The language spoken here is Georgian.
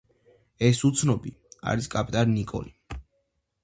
ეს უცნობი არის კაპიტანი ნიკოლი.